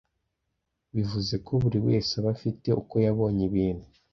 bivuze ko buri wese aba afite uko yabonye ibintu